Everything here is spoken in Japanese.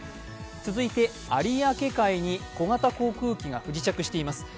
続いて、有明海に小型航空機が不時着しています。